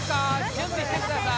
準備してください